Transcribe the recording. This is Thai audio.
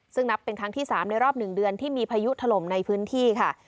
ซึ่งนับเป็นครั้งที่๓ในรอบ๑เดือนที่มีพายุถล่มในพื้นที่ค่ะ